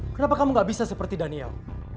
kenapa kamu gak bisa seperti daniel